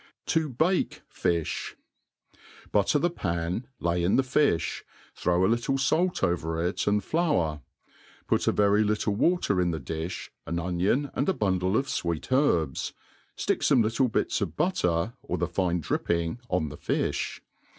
7# bah Fifif. BUTTER the pan, lay in the fifh, throw a little fait over it and flour ; put a very little water in the dilh, an onion and » bundle of fweet herbis, ftick fome little bitts of butter, or the fine dripping, on the fi(h.